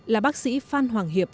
là bác sĩ phan hoàng hiệp